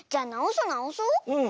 うん。